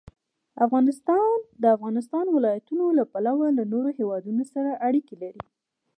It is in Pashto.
افغانستان د د افغانستان ولايتونه له پلوه له نورو هېوادونو سره اړیکې لري.